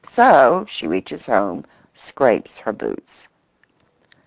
So she reaches home—scrapes her boots.